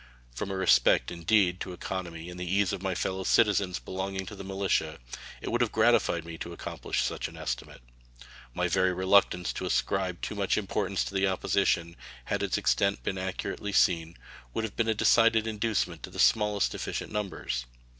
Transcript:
From a respect, indeed, to economy and the ease of my fellow citizens belonging to the militia, it would have gratified me to accomplish such an estimate. My very reluctance to ascribe too much importance to the opposition, had its extent been accurately seen, would have been a decided inducement to the smallest efficient numbers.